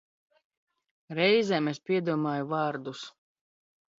Reizēm es piedomāju vārdus.